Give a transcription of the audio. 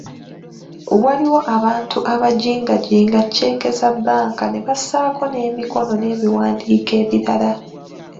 Waliwo abantu abajingajinga cceeke za bbanka ne bassaako n’emikono n’ebiwandiika ebirala.